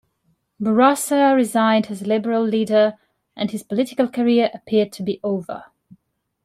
Bourassa resigned as Liberal leader, and his political career appeared to be over.